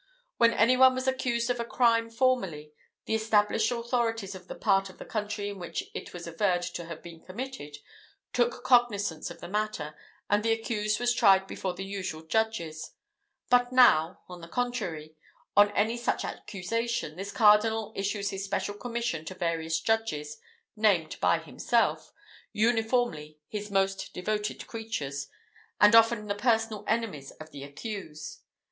When any one was accused of a crime formerly, the established authorities of the part of the country in which it was averred to have been committed took cognisance of the matter, and the accused was tried before the usual judges; but now, on the contrary, on any such accusation, this cardinal issues his special commission to various judges named by himself, uniformly his most devoted creatures, and often the personal enemies of the accused.